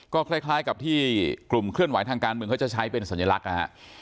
ก็คล้ายกับที่กลุ่มเคลื่อนไหวทางการเมืองเขาจะใช้เป็นสัญลักษณ์นะฮะ